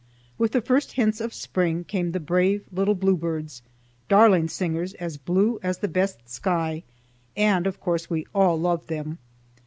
With the first hints of spring came the brave little bluebirds, darling singers as blue as the best sky, and of course we all loved them.